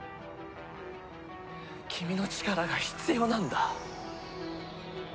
君の力が必要なんだ。